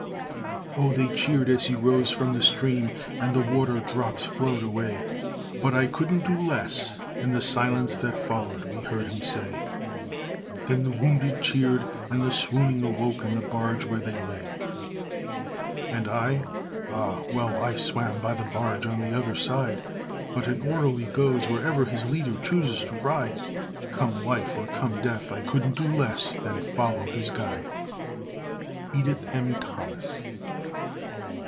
Oh, they cheered as he rose from the stream and the water drops flowed away! "But I couldn't do less!" in the silence that followed we heard him say; Then the wounded cheered, and the swooning awoke in the barge where they lay. And I? Ah, well, I swam by the barge on the other side; But an orderly goes wherever his leader chooses to ride. Come life or come death I couldn't do less than follow his guide. EDITH M. THOMAS.